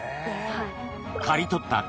はい。